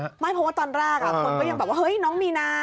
ไม่เพราะว่าตอนแรกคนก็ยังแบบว่าเฮ้ยน้องมีนา